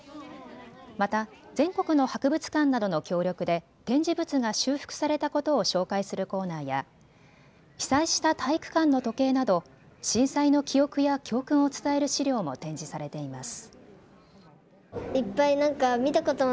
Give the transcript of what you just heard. また全国の博物館などの協力で展示物が修復されたことを紹介するコーナーや被災した体育館の時計など震災の記憶や教訓を伝える資料も展示されています。